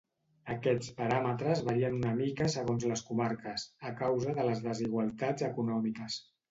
Aquests paràmetres varien una mica segons les comarques, a causa de les desigualtats econòmiques.